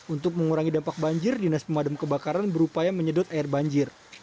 untuk mengurangi dampak banjir dinas pemadam kebakaran berupaya menyedot air banjir